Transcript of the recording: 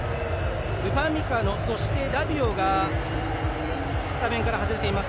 ウパミカノラビオがスタメンから外れています。